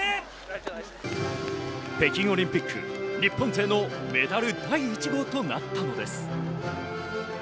北京オリンピック、日本勢のメダル第１号となったのです。